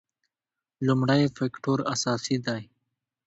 لومړی فکټور اساسي دی.